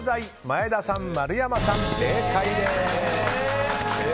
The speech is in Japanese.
前田さん、丸山さん、正解です！